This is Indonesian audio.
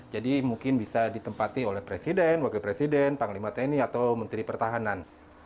jadi mungkin bisa ditempati oleh presiden wakil presiden panglima tni atau menteri pertahanan